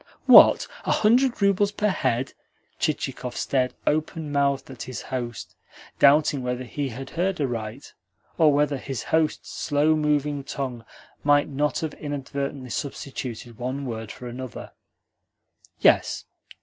"What, a hundred roubles per head?" Chichikov stared open mouthed at his host doubting whether he had heard aright, or whether his host's slow moving tongue might not have inadvertently substituted one word for another. "Yes.